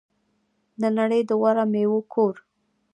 د نړۍ د غوره میوو کور.